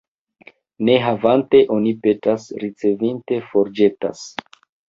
Ne havante, oni petas; ricevinte, forĵetas.